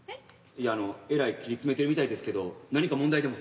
いやあのえらい切り詰めてるみたいですけど何か問題でも？